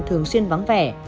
thường xuyên vắng vẻ